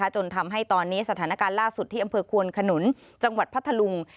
จนทำให้ตอนนี้สถานการณ์ล่าสุดที่อำเภอควนขนุนจังหวัดพัทธลุง